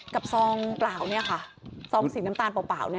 ซองเปล่าเนี่ยค่ะซองสีน้ำตาลเปล่า